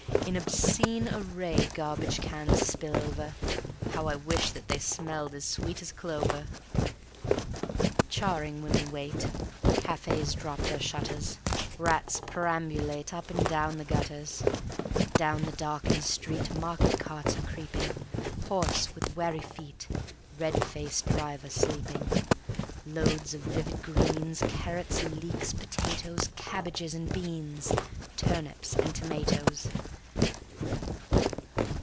In obscene array Garbage cans spill over; How I wish that they Smelled as sweet as clover! Charing women wait; Cafes drop their shutters; Rats perambulate Up and down the gutters. Down the darkened street Market carts are creeping; Horse with wary feet, Red faced driver sleeping. Loads of vivid greens, Carrots, leeks, potatoes, Cabbages and beans, Turnips and tomatoes.